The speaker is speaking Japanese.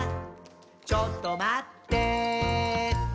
「ちょっとまってぇー」